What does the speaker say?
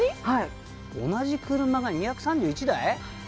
はい同じ車が２３１台？